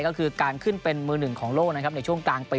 มันจะต้องเป็นมือหนึ่งหรือว่าอะไรอย่างนี้